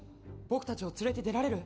僕達を連れて出られる？